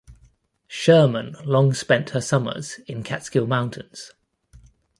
Sherman long spent her summers in Catskill Mountains.